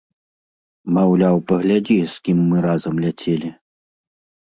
Маўляў, паглядзі з кім мы разам ляцелі.